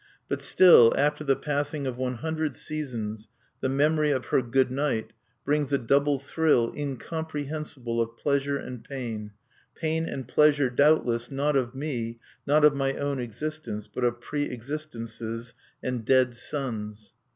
But still, after the passing of one hundred seasons, the memory of her "Good night" brings a double thrill incomprehensible of pleasure and pain, pain and pleasure, doubtless, not of me, not of my own existence, but of pre existences and dead suns.